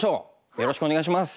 よろしくお願いします。